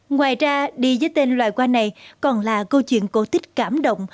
ngoài ra đi với tên loài hoa này còn là câu chuyện cổ tích cảm động